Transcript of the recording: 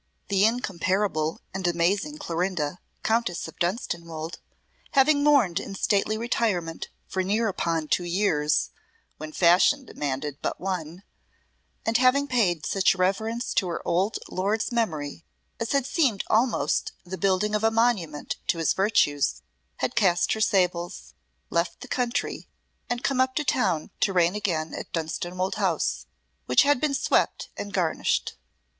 The incomparable and amazing Clorinda, Countess of Dunstanwolde, having mourned in stately retirement for near upon two years (when Fashion demanded but one) and having paid such reverence to her old lord's memory as had seemed almost the building of a monument to his virtues, had cast her sables, left the country, and come up to town to reign again at Dunstanwolde House, which had been swept and garnished.